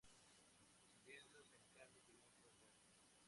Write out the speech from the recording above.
Sus lienzos, en cambio, tuvieron poco eco.